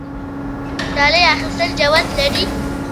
ډالۍ اخیستل جواز لري؟